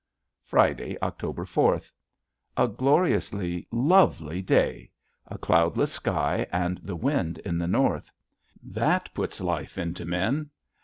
Friday, October fourth. A gloriously lovely day, a cloudless sky and the wind in the north. That puts life into men!